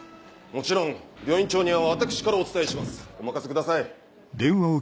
もちろん病院長には私からお伝えしますお任せください。